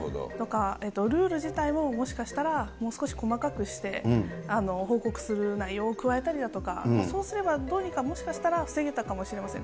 ルール自体ももしかしたらもう少し細かくして、報告する内容を加えたりだとか、そうすればどうにかもしかしたら防げたかもしれません。